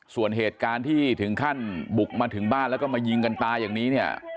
ส่วนเหตุการณ์ที่ถึงขั้นบุกมาถึงบ้านแล้วก็มายิงกันตายอย่างนี้เนี่ย